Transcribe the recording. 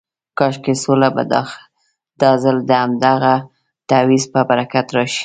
کاشکې سوله به دا ځل د همدغه تعویض په برکت راشي.